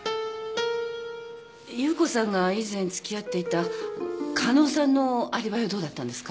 夕子さんが以前付き合っていた加納さんのアリバイはどうだったんですか？